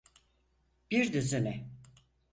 Bir düzine.